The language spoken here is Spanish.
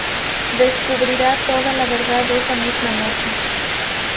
Descubrirá toda la verdad esa misma noche.